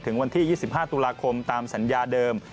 วันที่๒๕ตุลาคมตามสัญญาเดิม